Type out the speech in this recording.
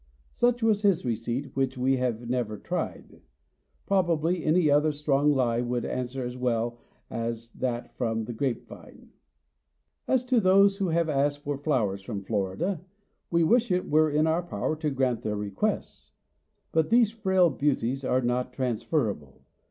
Such was his receipt, which we have never tried. Probably any other strong lye would answer as well as that from the grape vine. As to those who have asked for flowers from Florida, we wish it were in our power to grant their requests; but these frail beauties are not transferable.